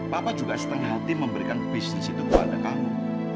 papa juga setengah hati memberikan bisnis itu kepada kamu